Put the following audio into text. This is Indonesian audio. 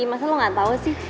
masa lo gak tau sih